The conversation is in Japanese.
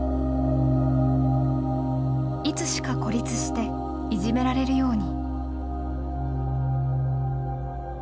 いつしか孤立していじめられるように。